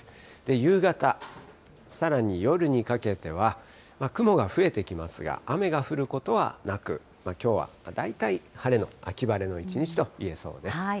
夕方、さらに夜にかけては、雲が増えてきますが、雨が降ることはなく、きょうは大体晴れの、秋晴れの一日と言えそうです。